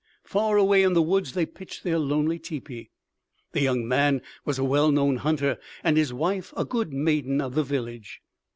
Far away in the woods they pitched their lonely teepee. The young man was a well known hunter and his wife a good maiden of the village.